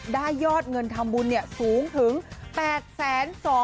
ยอดเงินทำบุญสูงถึง๘๒๐๐บาท